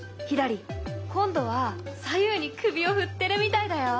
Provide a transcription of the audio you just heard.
今度は左右に首を振ってるみたいだよ。